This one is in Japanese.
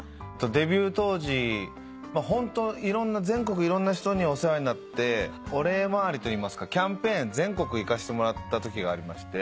デビュー当時全国いろんな人にお世話になってお礼回りといいますかキャンペーン全国行かしてもらったときあって。